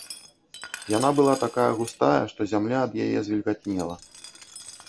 Яна была такая густая, што зямля ад яе завільгатнела.